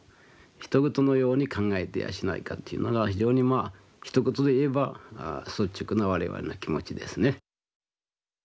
ひと事のように考えてやしないかっていうのが非常にまあひと言で言えば率直な我々の気持ちですね。